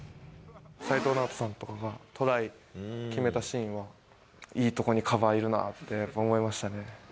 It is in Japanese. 齋藤直人さんとかがトライ決めたシーンは、いい所にカバーいるなってやっぱ思いましたね。